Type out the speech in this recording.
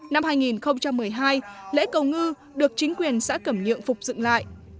năm hai nghìn một mươi hai lễ cầu ngư được chính quyền xã cẩm nhượng phục dựng lại